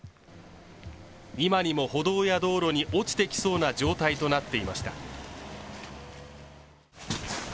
今にも歩道や道路に落ちてきそうな状態となっていました。